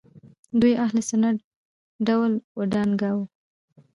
دوی اهل سنت ډول وډنګاوه